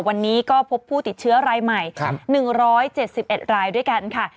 วันนี้ก็พบผู้ติดเชื้อรายใหม่๑๗๑รายด้วยกันค่ะ